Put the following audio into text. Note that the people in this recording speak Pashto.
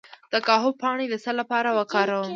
د کاهو پاڼې د څه لپاره وکاروم؟